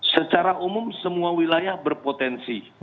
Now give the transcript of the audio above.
secara umum semua wilayah berpotensi